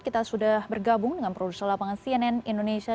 kita sudah bergabung dengan produser lapangan cnn indonesia